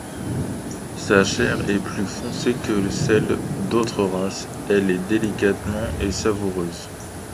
Sa chair est plus foncée que celle d'autres races, elle est délicate et savoureuse.